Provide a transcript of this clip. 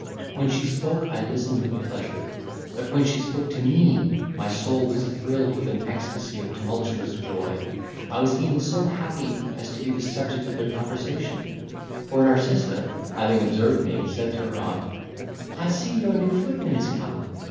When she spoke I listened with pleasure; but when she spoke to me, my soul was thrilled with an extacy of tumultuous joy. I was even so happy as to be the subject of their conversation; for Narcissa, having observed me, said to her aunt, "I see your new footman is come."